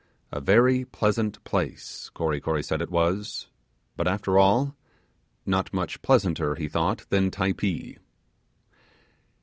'A very pleasant place,' Kory Kory said it was; 'but after all, not much pleasanter, he thought, than Typee.